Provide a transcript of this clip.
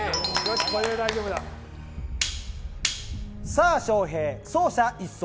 さぁ翔平走者一掃。